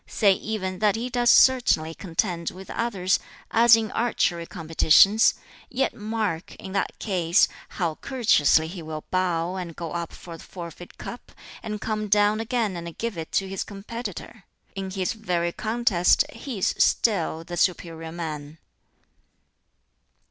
Say even that he does certainly contend with others, as in archery competitions; yet mark, in that case, how courteously he will bow and go up for the forfeit cup, and come down again and give it to his competitor. In his very contest he is still the superior man."